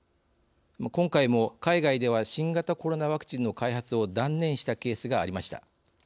今回も、海外では新型コロナワクチンの開発を断念したケースがありました。